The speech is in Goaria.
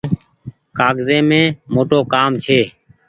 ڪآگز يم موٽو ڪآم ڇي۔